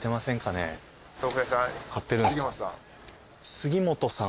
杉本さん。